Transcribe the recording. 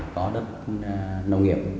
có đất nông nghiệp